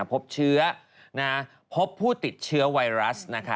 พบเชื้อพบผู้ติดเชื้อไวรัส